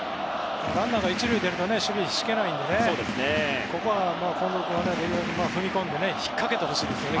ランナーが１塁に出ると守備を敷けないのでここは近藤君は踏み込んで引っかけてほしいですね